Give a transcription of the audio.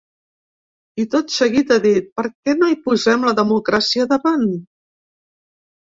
I tot seguit ha dit: Per què no hi posem la democràcia davant?